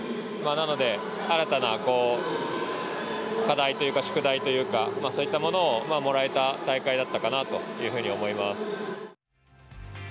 なので、新たな課題というか宿題というかそういったものをもらえた大会だったかなと思います。